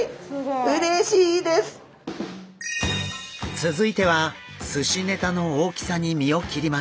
続いては寿司ネタの大きさに身を切ります。